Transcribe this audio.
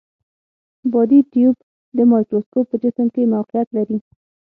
بادي ټیوب د مایکروسکوپ په جسم کې موقعیت لري.